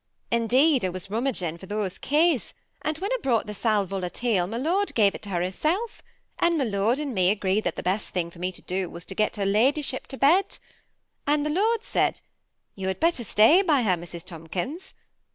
Indeed, I was rummaging for those keys, and when I brought the sal volatile, my lord gave it to her hisself, and my lord and me agreed that the best thing for me to do was to get her ladyship to bed ; and my lord said, ' You had better^tay by her, Mrs. Tom kins.'